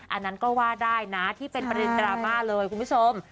อันนั้นก็ว่าได้นะที่เป็นประเด็นดราม่าเลยคุณผู้ชม